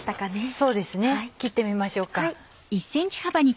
そうですね切ってみましょうか。